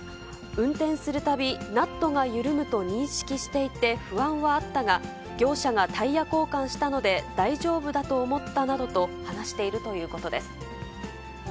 運転するたび、ナットが緩むと認識していて、不安はあったが、業者がタイヤ交換したので、大丈夫だと思ったなどと話しているということです。